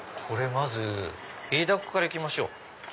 まずイイダコからいきましょう。